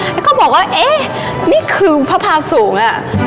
แล้วก็บอกว่านี่คือพระพระสูง